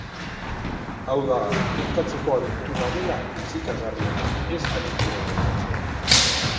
Hau da, kontatzeko abentura dela kitzikagarriena, ez abentura kontatzea.